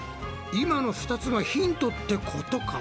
今の２つがヒントってことか？